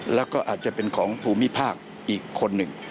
แล้วก็อาจจะเป็นของภูมิภาคอีกคนหนึ่ง